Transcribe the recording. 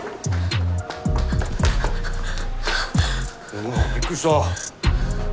おびっくりした。